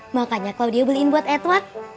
makanya claudia beliin buat edward